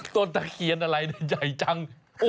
ต้นตะเขียนอะไรเนี่ยใหญ่พอจัง